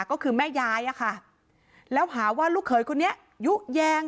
ก็คือแม่ยายอะค่ะแล้วหาว่าลูกเขยคนนี้ยุแยง